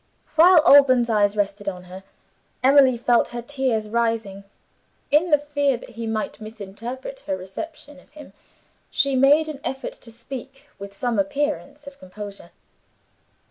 While Alban's eyes rested on her, Emily felt her tears rising. In the fear that he might misinterpret her reception of him, she made an effort to speak with some appearance of composure.